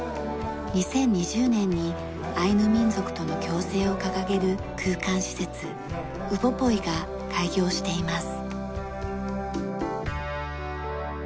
２０２０年にアイヌ民族との共生を掲げる空間施設「ウポポイ」が開業しています。